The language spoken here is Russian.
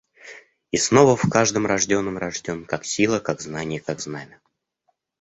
И снова в каждом рожденном рожден — как сила, как знанье, как знамя.